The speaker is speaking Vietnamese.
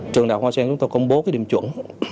trường đạo hoa sơn chúng tôi công bố cái điểm chuẩn